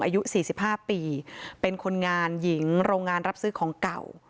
อายุ๔๕ปีเป็นคนงานหญิงโรงงานรับซื้อของเก่า